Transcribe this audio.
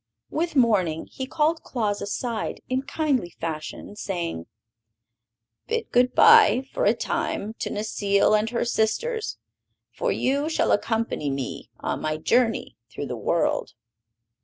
With morning he called Claus aside, in kindly fashion, saying: "Bid good by, for a time, to Necile and her sisters; for you shall accompany me on my journey through the world."